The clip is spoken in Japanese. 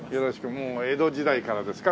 もう江戸時代からですか？